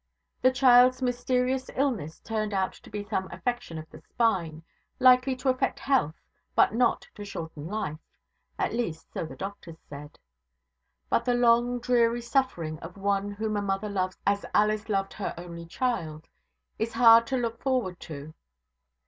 The child's mysterious illness turned out to be some affection of the spine, likely to affect health but not to shorten life at least, so the doctors said. But the long, dreary suffering of one whom a mother loves as Alice loved her only child, is hard to look forward to.